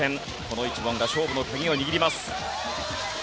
この１問が勝負の鍵を握ります。